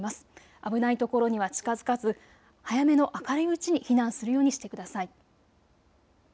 危ない所には近づかず早めの明るいうちに避難するようにしてください。